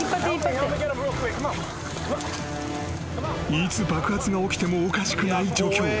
［いつ爆発が起きてもおかしくない状況］